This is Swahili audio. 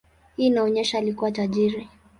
Hii inaonyesha alikuwa tajiri.